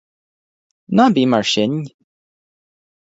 Ná bí mar sin.